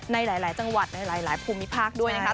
ในหลายจังหวัดในหลายภูมิภาคด้วยนะคะ